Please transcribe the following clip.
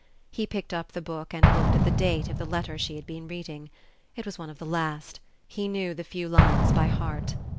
He picked up the book and looked at the date of the letter she had been reading. It was one of the last... he knew the few lines by heart.